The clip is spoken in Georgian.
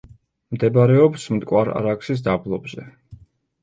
მდებარეობს მტკვარ-არაქსის დაბლობზე.